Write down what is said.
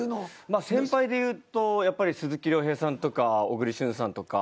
まあ先輩で言うとやっぱり鈴木亮平さんとか小栗旬さんとか。